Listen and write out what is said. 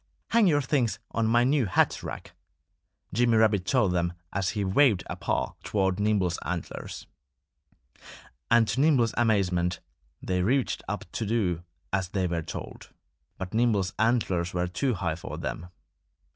"Hang your things on my new hat rack!" Jimmy Rabbit told them as he waved a paw toward Nimble's antlers. And to Nimble's amazement they reached up to do as they were told. But Nimble's antlers were too high for them.